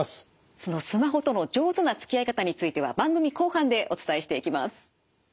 そのスマホとの上手なつきあい方については番組後半でお伝えしていきます。